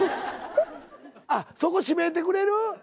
あっそこ閉めてくれる？